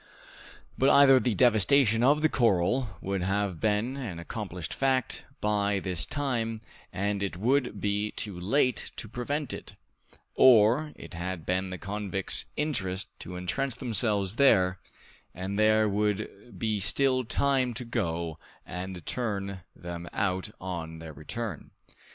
But either the devastation of the corral would have been an accomplished fact by this time, and it would be too late to prevent it, or it had been the convicts' interest to entrench themselves there, and there would be still time to go and turn them out on their return.